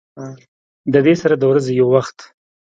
د دې سره د ورځې يو وخت